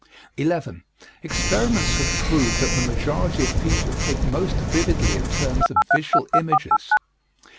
11. Experiments have proved that the majority of people think most vividly in terms of visual images.